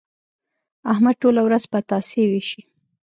احمد ټوله ورځ پتاسې وېشي.